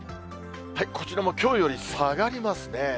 こちらもきょうより下がりますね。